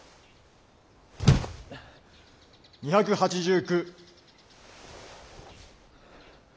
２８９。